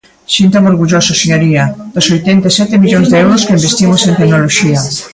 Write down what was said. Síntome orgulloso, señoría, dos oitenta e sete millóns de euros que investimos en tecnoloxía.